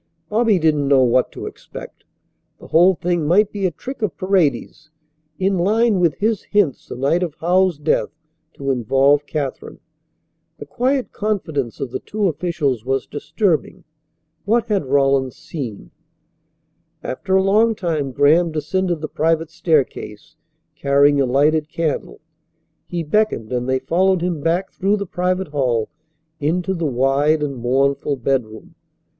Bobby didn't know what to expect. The whole thing might be a trick of Paredes, in line with his hints the night of Howells's death, to involve Katharine. The quiet confidence of the two officials was disturbing. What had Rawlins seen? After a long time Graham descended the private staircase, carrying a lighted candle. He beckoned and they followed him back through the private hall into the wide and mournful bedroom.